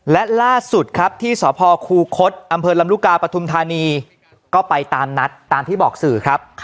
และล่าสุดครับที่สพคูคศอำเภอลำลูกกาปฐุมธานีก็ไปตามนัดตามที่บอกสื่อครับ